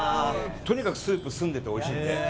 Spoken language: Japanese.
とにかくスープ澄んでておいしいんで。